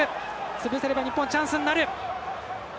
潰せば日本チャンスになる。